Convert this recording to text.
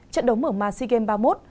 trận đấu mở màn sea games ba mươi một